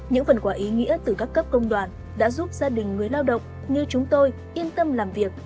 những phần quả ý nghĩa từ các cấp công đoàn đã giúp gia đình người lao động như chúng tôi yên tâm làm việc